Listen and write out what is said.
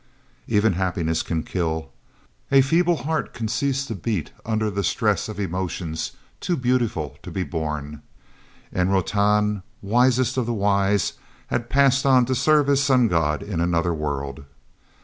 Even happiness can kill. A feeble heart can cease to beat under the stress of emotions too beautiful to be borne. And Rotan, wisest of the wise, had passed on to serve his sun god in another world.